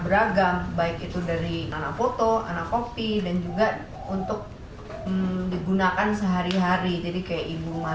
beragam baik itu dari anak foto anak kopi dan juga untuk digunakan sehari hari jadi kayak ibu mah